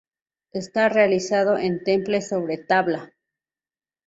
Está realizado con temple sobre tabla.